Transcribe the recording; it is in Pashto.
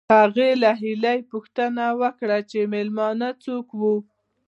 هغې له هیلې پوښتنه وکړه چې مېلمانه څوک وو